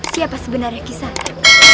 siapa sebenarnya kisana